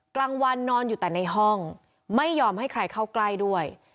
กลางวันนอนอยู่แต่ในห้องไม่ยอมให้ใครเข้าใกล้ด้วย